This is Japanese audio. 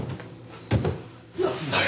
何だよ！？